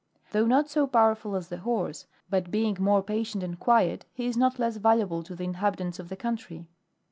Though not so powerful as the horse, but being more patient and quiet, he is not less valuable to the inhabitants of the country.